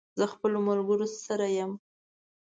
زه خپلو ملګرو سره یم